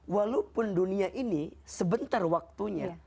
walaupun dunia ini sebentar waktunya